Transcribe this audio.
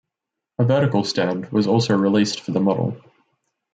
A vertical stand was also released for the model.